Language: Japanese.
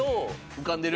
浮かんでる？